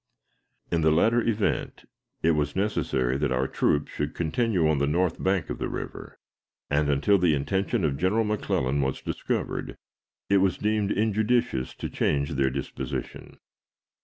In the latter event, it was necessary that our troops should continue on the north bank of the river, and, until the intention of General McClellan was discovered, it was deemed injudicious to change their disposition.